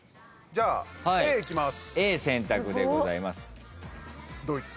じゃあＡいきます。